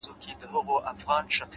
هڅه د ناکامۍ درملنه ده؛